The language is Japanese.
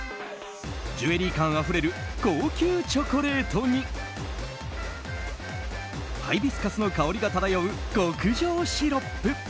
ジュエリー感あふれる高級チョコレートにハイビスカスの香りが漂う極上シロップ。